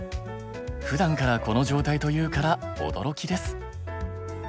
ふだんからこの状態というから驚きです。